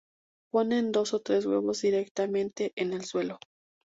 Ponen dos o tres huevos directamente en el suelo.